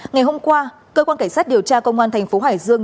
ngày hôm qua cơ quan cảnh sát điều tra công an tp hải dương